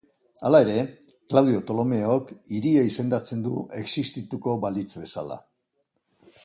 Hala ere, Klaudio Ptolomeok hiria izendatzen du existituko balitz bezala.